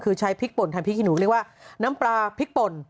คือใช้พริกป่นทำพริกขี้หนูเรียกว่าน้ำปลาพริกป่น